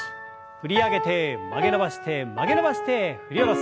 振り上げて曲げ伸ばして曲げ伸ばして振り下ろす。